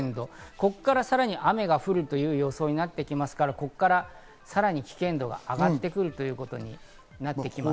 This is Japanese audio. ここからさらに雨が降るという予想になってきますから、さらに危険度が上がってくるということになってきます。